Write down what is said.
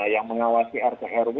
yang mengawasi rtl